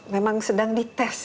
memang sedang dites